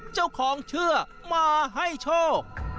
เจ้าของเชื่อมาให้โชค